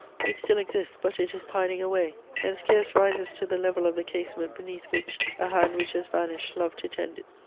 It still exists, but it is pining away, and scarce rises to the level of the casement beneath which a hand which has vanished loved to tend it.